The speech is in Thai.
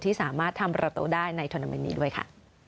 ที่สามารถทำประตูได้ในทวนาเมนต์นี้ด้วยค่ะ